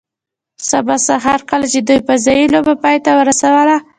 سبا سهار کله چې دوی فضايي لوبه پای ته ورسوله